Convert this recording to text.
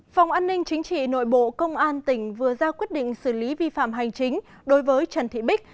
phòng an ninh chính trị nội bộ công an tỉnh vừa ra quyết định xử lý vi phạm hành chính đối với trần thị bích